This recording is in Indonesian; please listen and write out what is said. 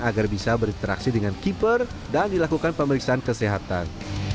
agar bisa berinteraksi dengan keeper dan dilakukan pemeriksaan kesehatan